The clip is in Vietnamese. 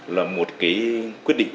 là một quyết định